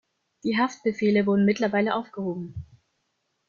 Die Haftbefehle wurden mittlerweile aufgehoben.